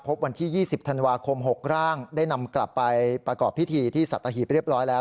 วันที่๒๐ธันวาคม๖ร่างได้นำกลับไปประกอบพิธีที่สัตหีบเรียบร้อยแล้ว